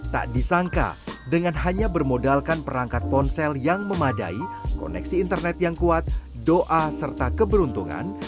tak disangka dengan hanya bermodalkan perangkat ponsel yang memadai koneksi internet yang kuat doa serta keberuntungan